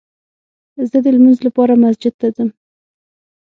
زه دلمونځ لپاره مسجد ته ځم